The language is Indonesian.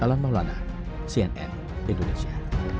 alan maulana cnn indonesia